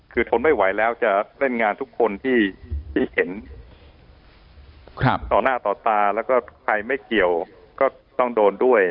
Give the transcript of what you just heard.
คือทนไม่ไหวแล้วจะเล่นงานทุกคนที่เห็นต่อหน้าต่อตาแล้วก็ใครไม่เกี่ยวก็ต้องโดนด้วย